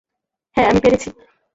হ্যাঁ, আমি পেরেছি।